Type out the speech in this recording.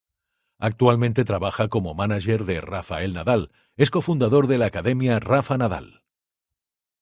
Actualmente trabaja como mánager de Rafael Nadal, es co-fundador de la Academia Rafa Nadal.